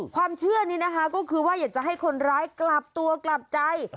ความเชื่อนี้นะคะก็คือว่าอยากจะให้คนร้ายกลับตัวกลับใจ